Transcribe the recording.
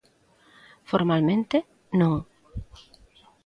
Formalmente, non.